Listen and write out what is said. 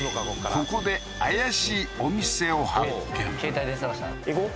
ここで怪しいお店を発見